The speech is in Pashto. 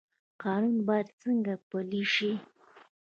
قانون باید څنګه پلی شي؟